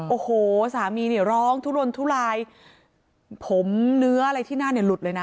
โอ้โหสามีร้องทุนลนทุลายผมเนื้ออะไรที่หน้าหลุดเลยนะ